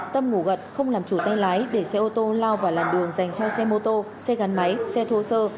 tâm ngủ gật không làm chủ tay lái để xe ô tô lao vào làn đường dành cho xe mô tô xe gắn máy xe thô sơ